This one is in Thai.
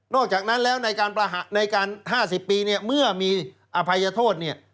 อกจากนั้นแล้วในการ๕๐ปีเนี่ยเมื่อมีอภัยโทษเนี่ย